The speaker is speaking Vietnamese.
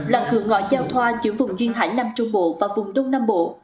là cửa ngõ giao thoa giữa vùng duyên hải nam trung bộ và vùng đông nam bộ